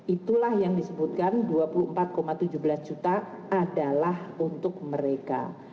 itulah yang disebutkan dua puluh empat tujuh belas juta adalah untuk mereka